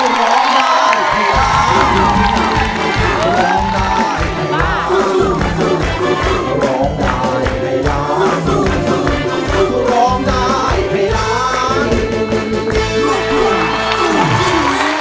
ร้องได้